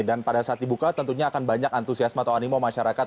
dan pada saat dibuka tentunya akan banyak antusiasma atau animo masyarakat